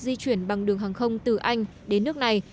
di chuyển bằng đường hàng không từ anh đến nước này